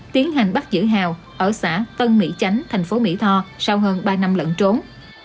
tiến hành bắt giữ hào ở xã tân mỹ chánh tp mỹ tho sau hơn ba năm lẫn trốn